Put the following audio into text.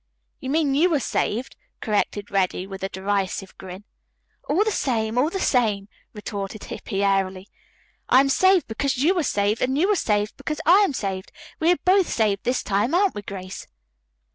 "You mean you are saved," corrected Reddy with a derisive grin. "All the same, all the same," retorted Hippy airily. "I am saved because you are saved, and you are saved because I am saved. We are both saved this time, aren't we, Grace?"